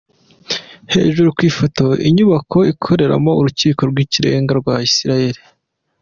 Hejuru ku ifoto: Inyubako ikoreramo Urukiko rw’ikirenga rwa Israel .